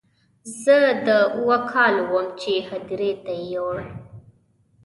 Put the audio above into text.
زه د اوو کالو وم چې هدیرې ته یې یووړ.